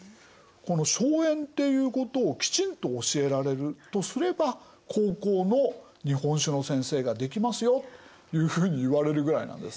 この荘園っていうことをきちんと教えられるとすれば高校の日本史の先生ができますよというふうにいわれるぐらいなんです。